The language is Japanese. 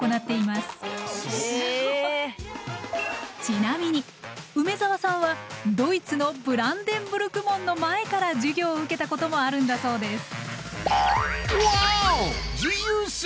ちなみに梅澤さんはドイツのブランデンブルク門の前から授業を受けたこともあるんだそうです。